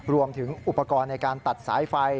รวมถึงอุปกรณ์ในการตัดสายไฟ